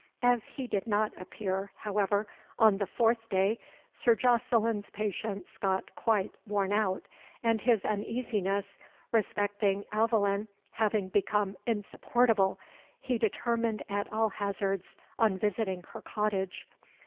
As he did not appear, however, on the fourth day, Sir Jocelyn's patience got quite worn out, and his uneasiness respecting Aveline having become insupportable, he determined, at all hazards, on visiting her cottage.